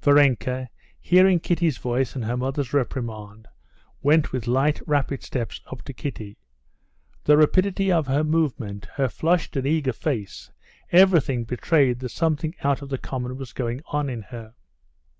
Varenka, hearing Kitty's voice and her mother's reprimand, went with light, rapid steps up to Kitty. The rapidity of her movement, her flushed and eager face, everything betrayed that something out of the common was going on in her.